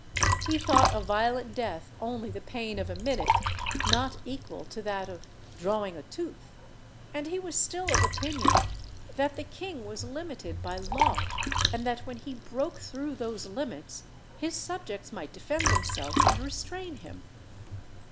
He thought a violent death only the pain of a minute, not equal to that of drawing a tooth; and he was still of opinion _that the king was limited by law, and that when he broke through those limits, his subjects might defend themselves and restrain him_.